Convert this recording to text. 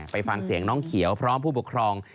ไปฟังเสียงน้องเขียวพร้อมผู้ปกครอง